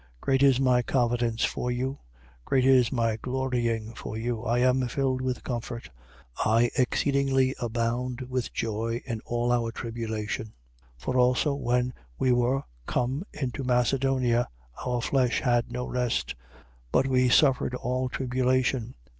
7:4. Great is my confidence for you: great is my glorying for you. I am filled with comfort: I exceedingly abound with joy in all our tribulation. 7:5. For also, when we were come into Macedonia, our flesh had no rest: but we suffered all tribulation.